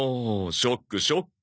ショックショック！